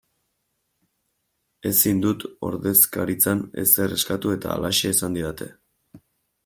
Ezin dut ordezkaritzan ezer eskatu eta halaxe esan didate.